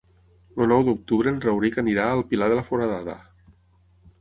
El nou d'octubre en Rauric anirà al Pilar de la Foradada.